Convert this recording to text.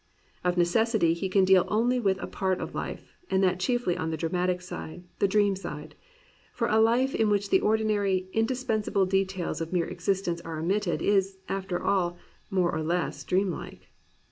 Of necessity he can deal only with a part of life, and that chiefly on the dramatic side, the dream side; for a life in which the ordinary, indispensable de tails of mere existence are omitted is, after all, more or less dream Hke.